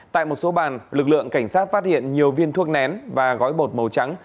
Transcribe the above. tại một số bàn lực lượng cảnh sát phát hiện nhiều viên thuốc nén và gói bột màu trắng